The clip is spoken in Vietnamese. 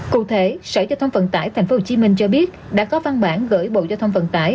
cụ thể sở giao thông vận tải tp hcm cho biết đã có văn bản gửi bộ giao thông vận tải